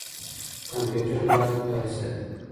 کمپيوټر لاګ فايل ساتي.